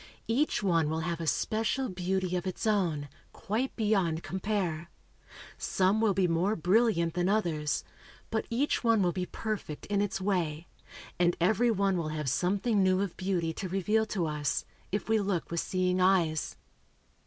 Each one will have a special beauty of its own, quite beyond compare. Some will be more brilliant than others, but each one will be perfect in its way, and every one will have something new of beauty to reveal to us, if we look with seeing eyes.